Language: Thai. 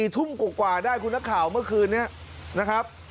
ทุ่มกว่าได้คุณนักข่าวเมื่อคืนนี้นะครับ